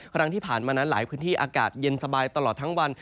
ครั้งที่ผ่านมานั้นหลายพื้นที่อากาศเย็นสบายตลอดทั้งวัน